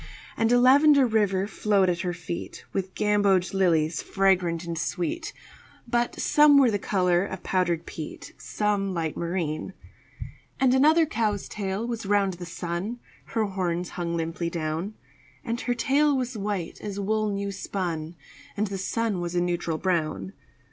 And a lavender river flowed at her feet With gamboge lilies fragrant and sweet, But some were the color of powdered peat, Some light marine. And another cow's tail was round the sun (Her horns hung limply down); And her tail was white as wool new spun, And the sun was a neutral brown.